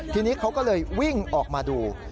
ทีนี้เขาก็เลยวิ่งออกมาดู